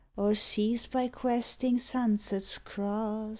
O'er seas by questing sunsets crost.